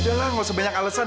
udah lah gak usah banyak alesan